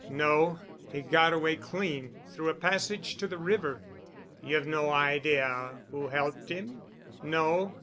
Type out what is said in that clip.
"No. He got away clean through a passage to the river——" "You've no idea who helped him?" "No.